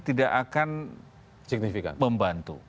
tidak akan membantu